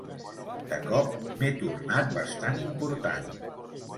De cop, m'he tornat bastant important.